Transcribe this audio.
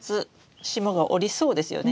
霜が降りそうですよね。